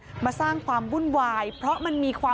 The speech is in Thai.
ช่องบ้านต้องช่วยแจ้งเจ้าหน้าที่เพราะว่าโดนฟันแผลเวิกวะค่ะ